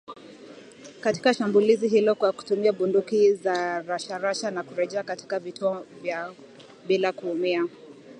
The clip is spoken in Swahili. Katika shambulizi hilo kwa kutumia bunduki za rashasha na kurejea katika vituo vyao bila kuumia .